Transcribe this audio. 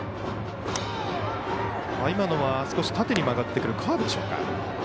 今のは少し縦に曲がってくるカーブでしょうか。